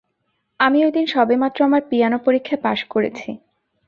আমি ওইদিন সবেমাত্র, আমার পিয়ানো পরীক্ষায় পাস করেছি।